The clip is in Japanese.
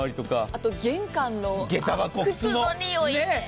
あと、玄関の靴のにおい。